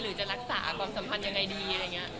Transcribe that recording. หรือจะรักษาความสัมพันธ์ยังไงดี